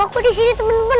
aku disini teman teman